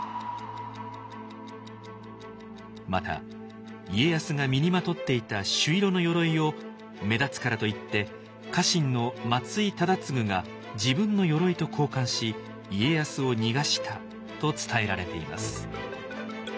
また家康が身にまとっていた朱色のよろいを目立つからと言って家臣の松井忠次が自分のよろいと交換し家康を逃がしたと伝えられています。